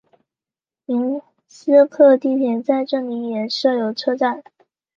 明斯克地铁在这里也设有车站。